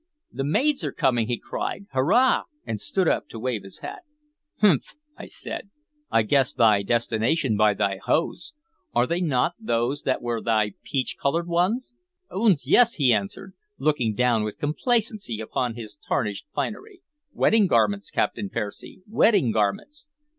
"The maids are come!" he cried. "Hurrah!" and stood up to wave his hat. "Humph!" I said. "I guess thy destination by thy hose. Are they not 'those that were thy peach colored ones'?" "Oons! yes!" he answered, looking down with complacency upon his tarnished finery. "Wedding garments, Captain Percy, wedding garments!"